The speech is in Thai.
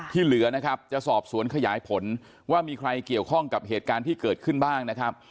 เหลือนะครับจะสอบสวนขยายผลว่ามีใครเกี่ยวข้องกับเหตุการณ์ที่เกิดขึ้นบ้างนะครับ